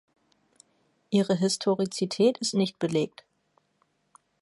Ihre Historizität ist nicht belegt.